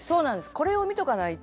これを見とかないと。